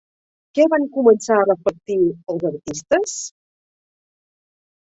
Què van començar a reflectir els artistes?